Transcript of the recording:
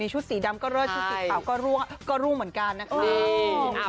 ชุดสีดำก็เลิศชุดสีขาวก็รุ่งเหมือนกันนะครับ